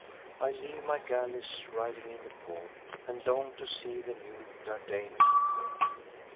I leave my galleys riding in the port, And long to see the new Dardanian court.